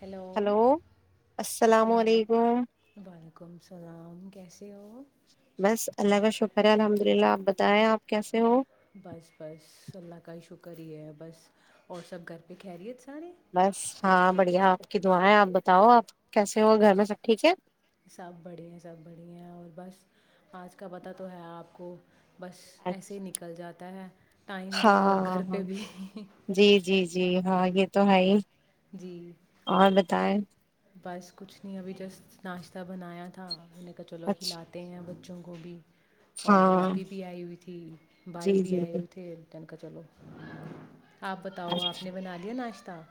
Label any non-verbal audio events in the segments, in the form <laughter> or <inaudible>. Hello hello السلام عل وعلیکم السلام کیسے ہو بس اللہ کا شکرہ الحمد للہ بتائیں آپ کیسے ہو بس بس اللہ کا ہی شکر ہی ہے بس اور سب گھر پہ خیریت سارے بس ہاں بڑھیا آپ کی دعائیں آپ بتاؤ آپ کیسے ہو گھر میں سب ٹھیک ہے سب بڑھیا سب بڑھ ہیں اور بس آج کا پتہ تو ہے آپ کو بس ایسے ہی نکل جاتا ہے ٹائم بھی اور گھر ہاں پہ بھی جی جی جی ہاں یہ تو ہے ہی جی اور بتائائے بس کچھ نہیں ابھی جسٹ ناشتہ بنایا تھا میں نے چلو اچھا کھیلاتے ہیں وہ <inaudible> اور ہاں آپی ہی بھی آئی ہوئی تھی بھائی جی بھی جی آئے جی ہوئے تھے <unintelligible> آپ بتاؤ آپ نے بنا لیا ناشتہ کتا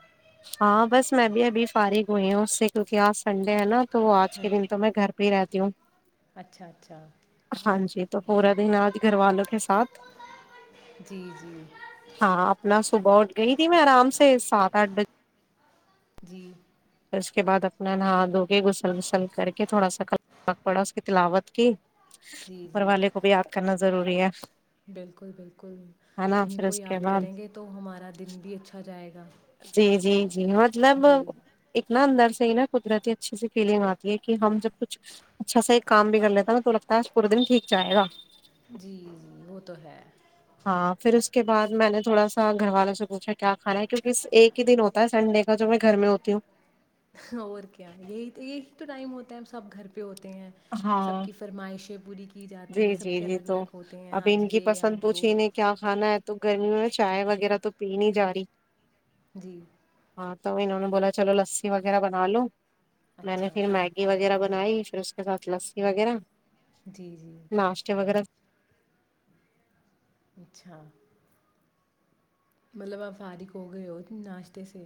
ہاں بس میں بھی ابھی فارغ ہوئی ہوں اس سے کیونکہ آج سنڈے ہے نا تو آج ہاں کے دن تو میں گھر پ ہی رہتا توں اچھا اچھا ہاں جی تو ہور دند گھر والوں کے ساتھ جی جی ہاں اپنا صبح اٹھ گئی تھی میں آرام سے سات اٹھ بجے جی پھر اس کے بعد اپنا نہا دھو کے غسل وسل کر کے تھوڑا ساک پڑا اس کی تلاوت کی جی اوپر جی والے کو بھی یاد کرنا ضروری ہے بالکل بالکل ہے نا انہیں پھر کو اس کے یاد بعد کریں گے تو ہمارا دن بھی اچھا جائے گا جی جی جی مطلب جی اتنا اندر نا قدرتی اچھی سی فیلنگ آتی ہے کہ ہم جب کچھ اچھا سا ایک کام بھی کر لیتا نا تو لگتا ہے پورا دن ٹھیک جائے گا جی جی وہ تو ہے ہاں پھر اس کے بعد میں نے تھوڑا سا گھر والوں سے پوچھا کیا کھا کیکہ ایک ہی دن ہوتا ہے سنڈے کا جو میں گھر میں ہوتی ہوں اور کیا یہی یہی تو ٹائم ہوتا ہے سب گھر پہ ہوتا ہیں سب ہاں کی فرمائشیں پوری کی جی جاتی ہے جی سب کے جی الگ تو الگ ہوتے ہیں اب آج ان کی یہ پسند آج وہ پوچھییں کیا کھانا ہے تو گرمیوں میں چائے وغیرہ تو پی نہیں جا رہی جی ہاں تو انہوں نے بولا چلو لسی وغیرہ بنا لو میں نے اچھا پھر میگی وغیرہ بنائی پ ات لسی وغیر جی جی ناشتے وغیرہ اچھا مطلب آپ فارق ہو گئے ہو ناشتے سے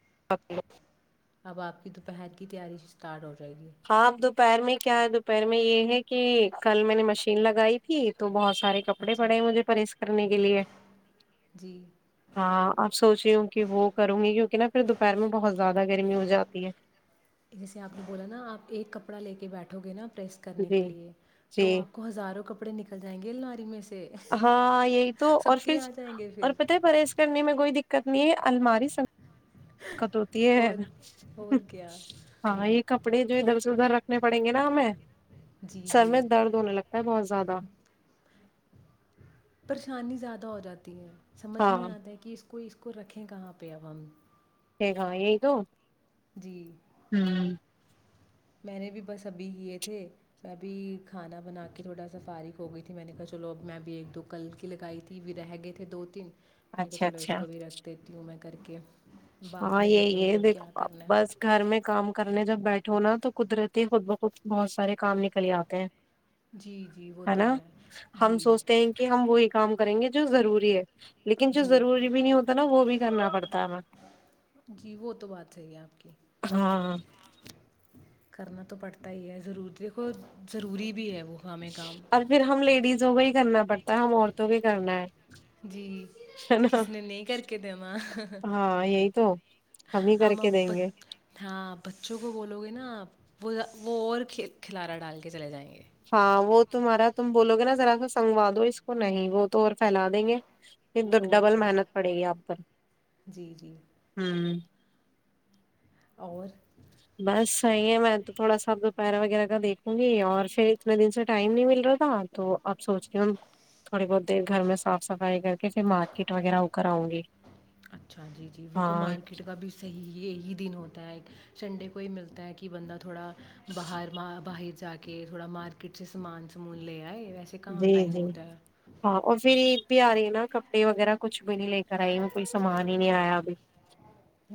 <unintelligible> اب آپ کی دوپہر کی تیاری اسٹارٹ ہوی <unintelligible> ہاں اب دوپہر میں کیا ہے دوپہر میں یہ ہے کہ کل میں نے مشین لگائی تھی تو بہت س سارے کپڑے اچھا پڑے مجھے پرہیز کرنے کے لیے جی ہاں اپ سوچ رہی ہو کہ وہ کروں گی کیونکہ نا پھر دوپہر میں بہت زیادہ گرمی ہو جاتی ہے جیسے آپ بولا ناپ آپ ایک کپڑا لے کے بیٹھو گے نا پریس کرنے جی کے لیے جی تو آپ کو ہزاروں کپڑے کپے نکل جائیں گے لاری میں سے ہاں یہی تو اور سب کے پھر آ جائیں گے اور پتہ پھر ہے پرس کرنے میں کوئی د کرنی الماری سن کٹوتی ہے اور اور کیا ہاں یہ کپڑے جو ادھرس ادھر رکھ نے پڑیں گے نا ہمیں جی سر میں جی درد ہونے لگتا ہے بہت زیادہ پریشانی زیادہ ہو جاتی ہے سمجھ نہیں ہاں آتا ہے کہ اس کو کوئی اس کو رکھیں کہاں پہ اب ہم ش گا یہ تو جی ہوں میں نے بھی بس ابھی کیے تھے میںبھی کھانا بنا کے تھوڑا سا فارغ ہو گئی تھی میں نے کہا چلو اب میں بھی ایک دو کل کی لگائی تھی بھی رہ گئے تھے دو تین میں نے کہا اچھا چلو اس اچھا کو بھی رکھ دیتی ہوں میں کر کے بعد ہاں میں دیکھیں یہی گے ہے اب کیا دیکھو کرنا ہے بس گھر میں کام کرنے جب بیٹھ ھ ہونا تو قدرتی خود بخود بہت سارے کام نکل آتے ہیں جی جی وہ ہے تو نا ہم جی سوچتے ہیں کہ ہم وہی کام کریں گے جو ضروری ہے لیکن جو جی ضروری بھی نہیں ہوتا نا وہ بھی کرنا پڑتا ہے ہمیں جی وہ تو بات صحی ہے آپ کی ہاں کرنا تو پڑتا ہی ہے ضرور دیکھو ضروری بھی ہے وہ ہمیں کام اور پھر ہم لیڈیزوں کو ہی کرنا پڑتا ہے ہم اور تو بھی کرنا ہے جی نا کسی نے نہیں کر کے دینا ہاں یہی تو ہی کر ہم کے دیں آپ گے ہاں بچوں کو بولو گے نا آپ وہ وہ اور کھلارا ڈال کے چلے جائیں گے ہاں وہ تمہارا تم بولو گے نا ذرا سا سنگو دو اس کو نہیں وہ تو اور پھیلا دیں گے ایک دو اور ڈبل کیا محنت پڑے گی آپ پر جی جی ہوں اور بس صحیح ہے میں تو تھوڑا سا دوپہرہ وغیرہ کا دیکھوں گی اور پھر اتنے دن سے ٹائم نہیں مل رہا تھا تو اپ سوچ کے ہم تھوڑی بہت دیر گھر میں صاف صفائی کر کے پھر مارکیٹ وغیرہ او کرر آؤں گی اچھا جی جی وہ کوئی ہاں مارکیٹ کا بھی صحیح یہی دن ہوتا ایک سنڈے کو ہی ملتا ہے کہ بندہ تھوڑا باہر م باہر جا کے تھوڑا مارکیٹ چ سامان سمان لے آئے ویسے کہاں جی ٹائم جی ہوتا ہے ہاں اور فھر عید بھی آ رہی ہے نا کپڑے وغیرہ کچھ بھی نہیں لے کر آئی میں کوئی سامان ہی نہیں آیا ابھی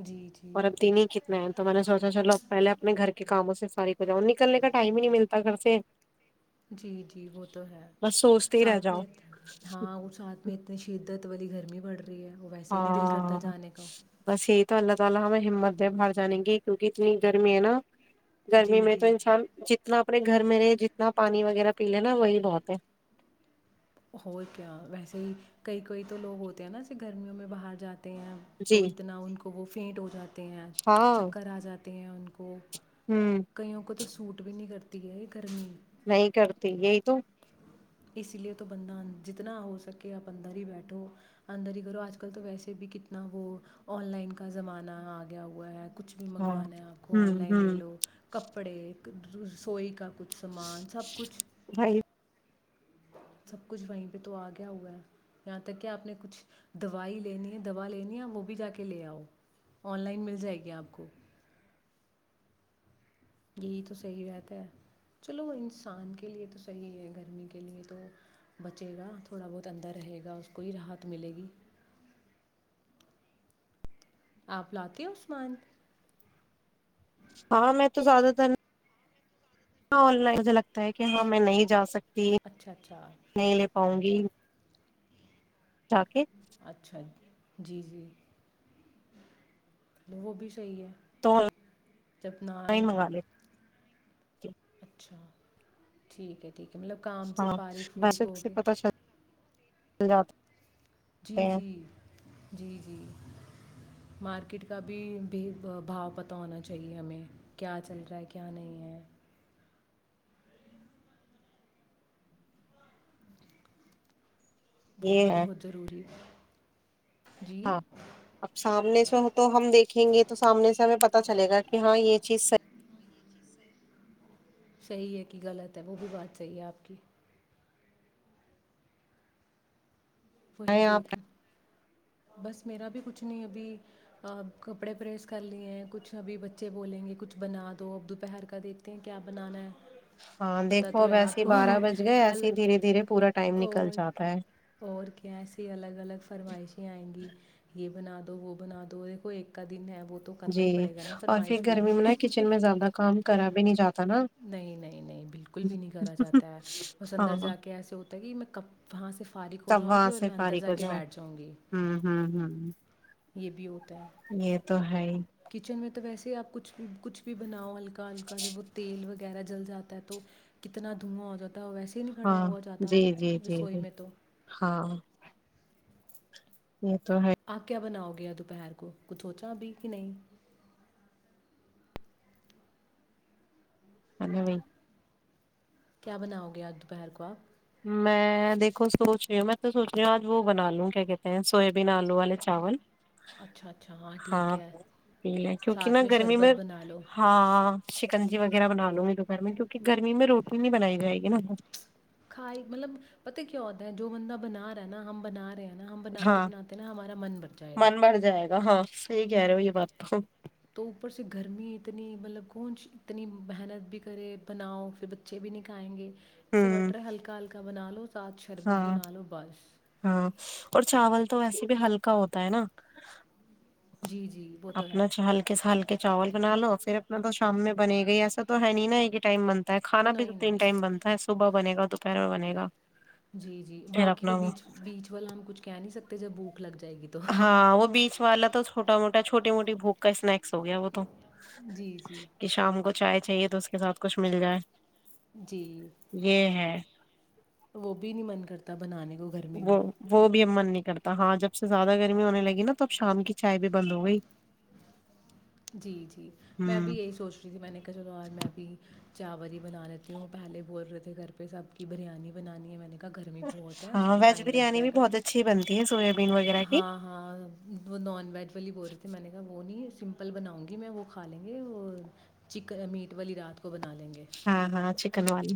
جی جی اور اب تین ہی کتنا ہے تو میں نے سوچا چلو اب پہلے اپنے گھر کے کاموں سے ساری کو ج نکلنے کا ٹائم ہی نہیں ملتا گھر سے جی جی وہ تو ہے بس سوچتے ہی رہ ساتھ جاؤ میں ہاں وہ ساتھ میں اتنی شدت تی گرمی بڑ رہی ہے وہ ویسے ہی نہیں دل کرتا ہاں جانے کا بس یہی تو اللہ ال ہم ہمت د باہر جانیں گی کیونکہ اتنی گرمی ہے نا گرمی جی میں تو جی انسان جت اتنا اپنے گھر میں جتنا پانی وغیرہ پی لے نا وہی بہت ہے ہو کیا ویسے ہی کئی کوئی تو لوگ ہوتے ہیں نا ایے گرمیوں میں باہر جاتے ہیں تو جی اتنا ان کو وہ فینٹ ہو جاتے ہیں ہاں چکر آ جاتے تے ہیں ان کو ہوں کہئیوں کوت س سوٹ بھی نہیں کرتی ہے یہ گرمی نہیں کرتی یہی تو اس لیے تو تو بندہ جتنا ہو سکے آپ اندر ہی بیٹھو اندر ہی کرو آج کل تو ویسے بھی کتنا وہ آن لائن کا زمانہ آ گیا ہوا ہے کچھ بھی ہاں منگوانا ہے آپ کو آن ہوں لائن ہوں لے لو کپڑے رسوئی کا کچھ ھ سامان سب کچھ بھائی سب کچھ وہیں پہ تو آ گیا ہوا ہے یہاں تک کہ آپ نے کچھ دوائی لینی ہے دوا لینی ہے وہ بھی جا کے لے آؤ آن لائن مل جائے گی آپ کو یھی ٹو صحی رہتا ہے چاؤ انساں ك لیا تو سہی رہتا ہے اپ لاتے ہوں سامان ہاں میں تو زیادہ ترائ مجھے لگتا ہے کہ ہاں میں نہیں جا سکتا <unintelligible> اچھا اچھا نہیں لے پاؤں گی جا کے اچھای جی جی وہ بھی چیے تو آن جبنائے لائن منگا لیتی <unintelligible> ہوں۔ اچھا ٹھیک ہے ٹھیک ہے مطلب کام سے ہاں پارخ بس فورخ ہو سے کے پتا <unintelligible> جی ہیں جی جی جی مارکیٹ کا بھی بھی بھاؤ پت ہونا چاہیے ہمیں کیا چل رہا ہے کیا نہیں ہے وہ بھی یہ ہے بہت ضروری ہے جی ہاں اب سامنے سے تو ہم دیکھیں گے تو سامنے سے ہمیں پتا چلے گا کہ ہاں یہ چیزحیح صحیح ہے کہ غلط ہے وہ بھی بات صحیح ہے آپ کی وہی نہیں آپ دیکھ بس میرا بھی کچھ نہیں ابھی کپڑے پریس کر لیے ہیں کچھ ابھی بچے بولیں گے کچھ بنا دو اب دوپہر کا دیکھتے ہیں کیا بنانا ہے ہاں پتہ دیکھو تو ہے ویسے آپ ہی کو بارہ بج گئے ایسے ہی الگ دھیرے دھیرے پورا ٹائم نکل جاتا ہے سی الگ الگ فرمائشیں آئیں گی یہ بنا دو وہ بنا دو وہے کو ایک کا دن ہے وہ تو کرنا جی ہی پڑے گا نا اور پھر فرمائش پوری گرمی میں نا کچن میں زیادہ کام کرا بھی نہیں جاتا نا نہیں نہیں نہیں بالکل بھی نہیں کرا جاتا ہے بس اندر ہاں جا کے ایسے ہوتا ہے کہ میں کب وہاں سے فارغ ہو تب جاؤں گی وہاں اور سے میں اندر فارغ جا ہو کے جاؤ بیٹھ جاؤں گی ہوں ہوں ہوں یہ بھی ہوتا ہے یہ تو ہے ہی کچن میں تو ویسے ہی آپ کچھ بھی کچھ بھی بناؤ کلکا ج وہ تیل وغیرہ جل جاتا ہے تو کتنا دھواں ہو جاتا ہے کھا ویسے ہی نہیں کھڑا ہاں ہوا جاتا جی جی جی رسوئی جی میں تو ہچ <unintelligible> آکیا بناؤ گ گیا دوپہر کو کچھ سوچا ابھی کہ نہیں ا بھی <unintelligible> کیا بناؤ گے آج دوپہر کو آپ میں دیکھو سوچ رہی ہوں میں تو سوچ رہی ہوں آج وہ بنا لوں کیا کہتے ہیں سویابین آلو والے چاول اچھا اچھا ہاں ٹھیک ہے پی لیں کیونکہ ساتھ نا میں گرمی شربت بنا لو <unintelligible> ہاں شکنجی وغیرہ بنا لوں گی دوپہ میں کیونکہ گرمی میں روٹی نہیں بنائی جائے گی نا <unintelligible> مطلب پت کیا ہوتا ہے جو بندہ بنا رہا نا ہم بنا رہے ہیں <unintelligible> نا ہم بناتے ہاں بناتے نا ہمارا من بر جائے گا من بھر جائے <unintelligible> ہاں صحی کہہ رہے ہو یہ بات تو <unintelligible> تو اوپر سے گرمی اتنی مطلب کونی اتنی محنت بھی کرے بناؤ پھر بچے بھی نہیں کھیں گے اس سے ہوں بٹر ہے ہلکا ہلکا <unintelligible> <unintelligible> بنا لو <unintelligible> <unintelligible> ہاں بنا لو بس ہاں اور چاول <unintelligible> تو ویسے بھی ہلکا ہوتا ہے نا <unintelligible> جی جی وہ تو ہے اپنا چ ہلکے سے ہلکے <unintelligible> چاول بنا لو پھر اپنا تو شام میں بنے گئی ایسا تو ہے نہیں نا ایک ٹائم بن <unintelligible> کانا بھی تو نہیں تین نہیں ٹائم بنتا ہے صبح بنے گا <unintelligible> دوپہرو بنے گا <unintelligible> جی جی پھر باقی کا اپنا وہ بیچ بیچ والا ہم کچھ کہہ نہیں سکتے <unintelligible> <unintelligible> بھوک لگ جائے گی تو <unintelligible> ہاں وہ بیچ والا تو چوا موٹا چوٹی موٹی بوک کا اس ن <unintelligible> ہو گیا وہ تو جی جی کہ شام کو چائے <unintelligible> چاہیے تو اس کے ساتھ کچھ مل جائے <unintelligible> جی یہ ہے <unintelligible> وہ بھی نہیں من کرتا بنانے کا وہ بہت <unintelligible> اب من نہیں کرتا ہاں جب سے زیادہ گرمی ہونے لگی نا تب شام کی چائے بھی بند ہو گئی <unintelligible> جی جی میں ہوں بھی یہی سوچ رہی تھی میں نے کہ چلو اورار میں بھی <unintelligible> چاول ہی بنا لییتی ہوں پہلے بول رہے تھے گھر پہ سب کی بریانی بنانی ہے میں نے <unintelligible> گرمی بہت ہے اس ہاں ویج ٹم ل بریانی جائے بھی گ بہت اچھی بنتی ہے سویابین وغیرہ کی ہاں ہاں وہ ن ویج والی بول رہے تھے میں نے کہا وہ نہیں <unintelligible> چاول بناؤں گی میں وہ کھا لیں گے وہ چکن میٹ والی رات کو بنا لیں گے <unintelligible> ہاں ہاں چھیک <unintelligible> رکن والی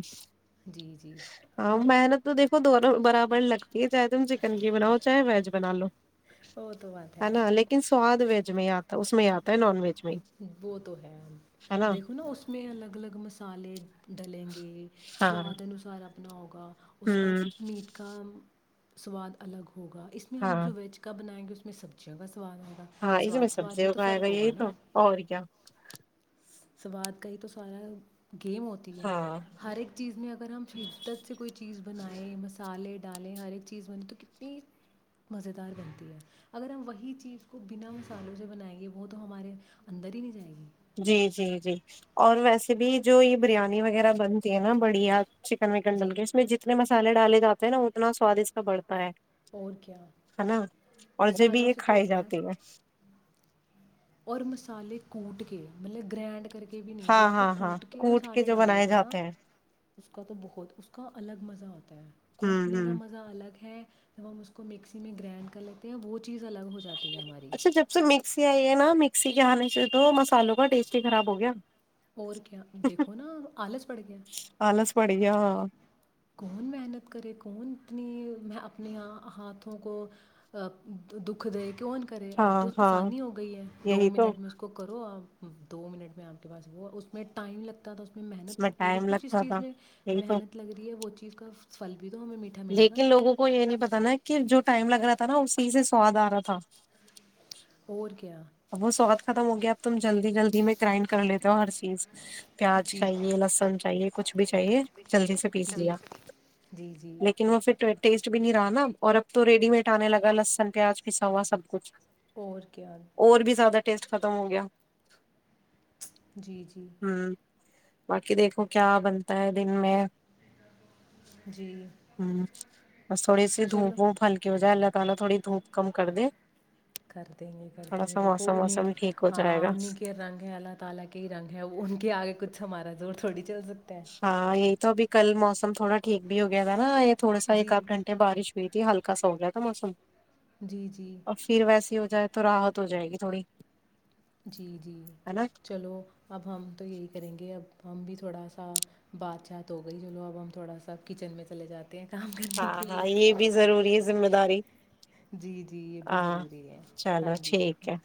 جی جی <unintelligible> ہاں محنت تو دیک <unintelligible> دونوں برابر لگتی ہے چاہے تم چکن کی بناؤ چاہے ویج بنا لو وہ تو بات <unintelligible> ہے نا لیکن سواد و <unintelligible> میں آتا اس میں آتا ہے نان ویج <unintelligible> وہ تو ہے دیکھو نا اس میں الگ الگ م مسالے ڈلیں گے ہاں سواد انوسار نو ہوگا اس کا ہوں میٹ کا سواد الگ ہو ہوگا اس میں ہاں ہم جو ویج کا بنائیں گے اس میں سب جگہ سواد ہوا ہاں اس سواد سواد سبزی میں تو اگائے گا فرق ہوگا یہی تو نا اور کیا سواد کئی تو سارا گیم ہوتی ہے ہاں ہر ایک چیز میں اگر اگر ہم شدت سے کوئی چیز بنائیں مسالے ڈالیں ہر ایک چیز بنے تو کتنی مزے دار بنتی ہے اگر ہم وہی چیز کو بنا مسالوں سے بنائیں گے وہ تو ہمارے اندر ہی نہیں جائےیں گی جی جی جی اور ویسے بھی جو یہ بریانی وغیرہ بن تی ہے نا بڑیا چکن وکن ڈل جی کے اس میں جتنے م سالے ڈالےاتے ہیں نا اتنا سوادش کا بڑھتا ہے اور کیا نا اور جب بھی مسالوں یہ سے تو کھائی ہوتا جاتی ہے اور مسالے کوٹ کے مطلب گرینڈ کر کے بھی نہیں جو ہاں اس کو ہاں ہاں کوٹ کے مسالے جو ڈالو بنائے گے نا جاتے ہیں اس کا تو بہت اس کا الگ مسال <inaudible> ت <unintelligible> ہوں کوٹنے کا ہوں مزہ الگ ہے جب ہم اس کو مکسی میں گرائنڈ کر لیتے ہیں وہ چیز الگ ہو ج اچھا جب سے مکسی آئی ہے نا مکسی ج نہیں سے تو مسالوں کا ٹیسٹ ہی خراب ہو گیا اور کیا دیکھو نا آلس پڑ گیا ہ <unintelligible> <inaudible> کون محنت کرے کون اتنی اپنی ہاتھوں کو دکھ دے کون کرے اب ہاں تو ہاں آسانی ہو گئی ہے دو یہی تو منٹ میں اس کو کرو آپ دو منٹ میں آپ کے پاس ہوا اور اس میں ٹائم لگتا تھا اس میں محنت لگتی تھی ٹائم کچھ اس لگتا چیز تھا میں یہی تو محنت لگےی وہ چیز کا پھل لیکن لوگوں کو یہ نہیں پتا نا کہ جو ٹائم لگ رہا تھا نا اسی سے سواد آ رہا تھا اور کیا اب وہ سواد ختم ہو گیا ا تم جلدی جلدی میں گرائنڈ کر لیتا ہو ہر چیز پیاز جی جی چاہیے لہسن چاہیے کچھ بھی چاہیے جلدی سے پیس جی جلدی لیا سے۔ جی جی لیکن وہ پھر ٹیسٹ بھی نہیں رہا نا اور اب تو ریڈی میٹ آنے لگا لہسن پیاز پساا سب کچھ اور کیاتے ہیں <unintelligible> اور بھی زیادہ ٹیسٹ ختم ہو گیا جی جی ہوں باقی دیکھو کیا بنتا ہے دن میں جی ہاں <unintelligible> اورسوڑی چلو سیھوپوپ ہلکی ہو جائے لگ پہلا تھوڑی دھوپ کم کر د <unintelligible> کرر <unintelligible> کرتے دیکھو انیں ٹھیک ہو جائے ہاں گا انہیں کے رنگ ہیں اللہ تعالی کے ہی رنگ ہے ان کے آگے کچھ ہمارا زور تھوڑی جزتے ہاں یہی <unintelligible> تو بھی کل موسم تھوڑا ٹھیک ہو گیا تھا نا تھوڑا سا ایک آھ جی گنٹے بارش بیٹی ہلکا سا ہو گیا تھا موسم جی جی اور پھر ویسے جائے تو راحت ہو جائے گی تھوڑی جی جی ہے نا چلو اب ہم تو یہی کریں گے اب ہم بھی تھوڑا سا بات چات ہو گئی چلو اب ہم تھوڑا سا کچن میں چلے جاتے ہیں کام کرنے ہاں کے ہاں لیے یہ بھی ضروری ہے ذمہ داری جی جی یہ بھی ہاں ضروری ہے ہاں چلو جی ٹھیک ہے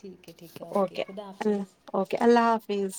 ٹھیک ہے ٹھیک ہے اوکے خدا اللہ حافظ اوکے اللہ حافظ